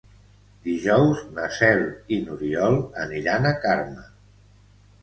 Dijous na Cel i n'Oriol aniran a Carme.